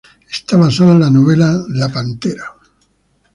Está basada en la novela La pantera.